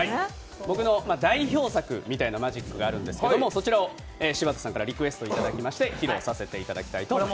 僕の代表作みたいなマジックがあるんですけどそちらを柴田さんからリクエストさせていただきまして披露させていただきたいと思います。